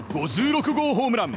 ５６号ホームラン。